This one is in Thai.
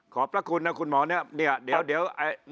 ขอบพระคุณนะคุณหมอเนี่ยเดี๋ยว